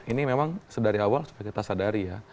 ini memang sedari awal supaya kita sadari ya